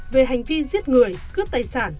về hành vi giết người cướp tài sản